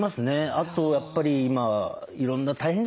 あとやっぱり今いろんな大変じゃないですか世の中。